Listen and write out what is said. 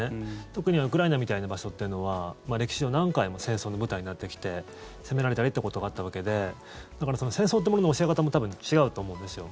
特にウクライナみたいな場所というのは歴史上何回も戦争の舞台になってきて攻められたりということがあったわけでだから戦争っていうものの教え方も多分、違うと思うんですよ。